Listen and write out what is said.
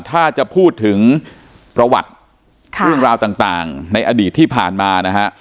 ถ้าจะพูดถึงประวัติเรื่องราวต่างในอดีตที่ผ่านมานะฮะ